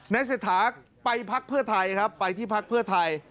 เศรษฐาไปพักเพื่อไทยครับไปที่พักเพื่อไทย